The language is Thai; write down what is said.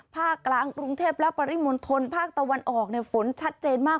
ภาคกลางกรุงเทพและปริมณฑลภาคตะวันออกฝนชัดเจนมาก